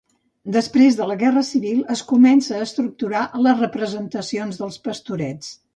Després de la Guerra Civil es comença a estructurar les representacions dels Pastorets.